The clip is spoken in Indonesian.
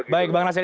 baik bang nasir